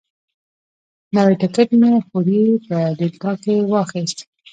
نوی ټکټ مې خوریي په ډیلټا کې واخیست.